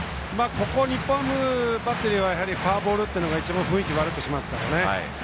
ここは日本ハムバッテリーはフォアボールがいちばん雰囲気を悪くしますからね。